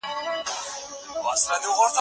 د عزيز مصر مېرمن ياده سوې ده.